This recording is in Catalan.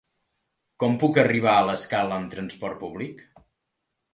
Com puc arribar a l'Escala amb trasport públic?